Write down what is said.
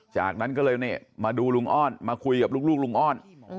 จากนั้นก็เลยมาดูลุงอ้อนมาคุยกับลูกลุงอ้อน